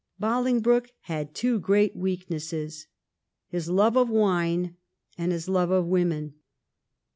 Bolingbroke had two great weaknesses — his love of wine and his love of women.